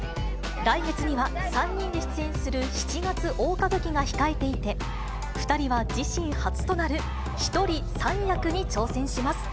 来月には３人で出演する七月大歌舞伎が控えていて、２人は自身初となる１人３役に挑戦します。